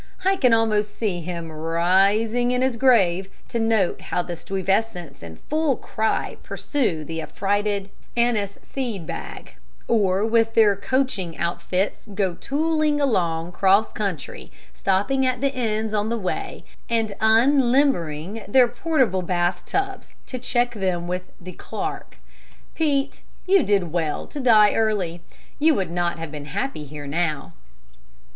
I can almost see him rising in his grave to note how the Stuyvesants in full cry pursue the affrighted anise seed bag, or with their coaching outfits go tooling along 'cross country, stopping at the inns on the way and unlimbering their portable bath tubs to check them with the "clark." Pete, you did well to die early. You would not have been happy here now.